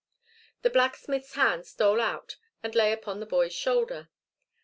The blacksmith's hand stole out and lay upon the boy's shoulder.